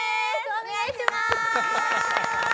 お願いしまーす！